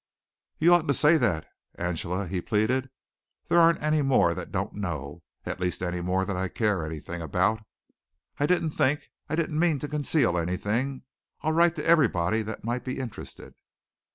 "You oughtn't to say that, Angela," he pleaded. "There aren't any more that don't know at least any more that I care anything about. I didn't think. I didn't mean to conceal anything. I'll write to everybody that might be interested."